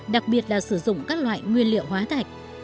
đặc biệt là sử dụng các loại nguyên liệu hóa thạch